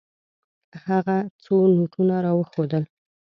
هغه څو نوټونه راوښودل.